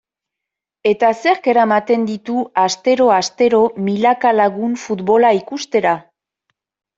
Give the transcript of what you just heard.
Eta zerk eramaten ditu astero-astero milaka lagun futbola ikustera?